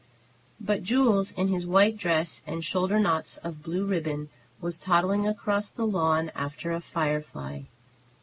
But Jules, in his white dress and shoulder knots of blue ribbon, was toddling across the lawn after a firefly.